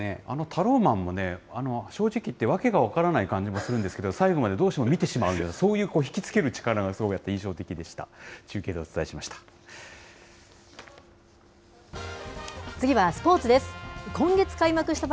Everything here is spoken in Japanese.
タローマンもね、正直言って訳が分からない感じもするんですけれども、最後までどうしても見てしまうような、そういう引き付ける力が印象的でした。